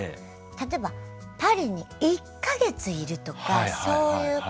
例えばパリに１か月いるとかそういうことをやりたいです。